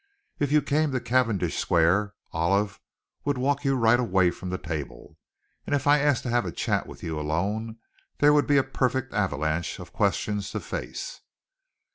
If you came to Cavendish Square, Olive would walk you right away from the table, and if I asked to have a chat with you alone, there would be a perfect avalanche of questions to face."